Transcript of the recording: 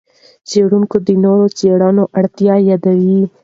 څېړونکي د نورو څېړنو اړتیا یادوي.